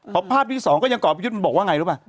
พอภาพที่๒ก็ยังกรอบประยุทธ์มันบอกว่าไงรู้ป่ะ